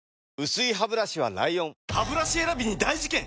薄いハブラシは ＬＩＯＮハブラシ選びに大事件！